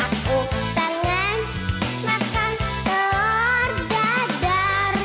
aku tengah makan telur dadar